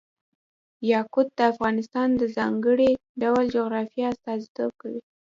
یاقوت د افغانستان د ځانګړي ډول جغرافیه استازیتوب کوي.